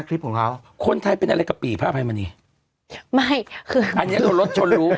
คลิปของเขาคนไทยเป็นอะไรกับปี่พระอภัยมณีไม่คืออันเนี้ยโดนรถชนรู้